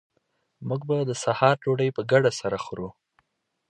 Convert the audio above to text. موږ به د سهار ډوډۍ په ګډه سره خورو